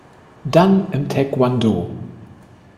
Dan im Taekwondo.